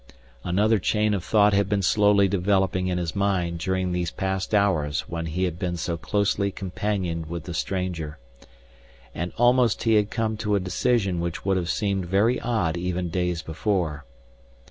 Another chain of thought had been slowly developing in his mind during these past hours when he had been so closely companioned with the stranger. And almost he had come to a decision which would have seemed very odd even days before.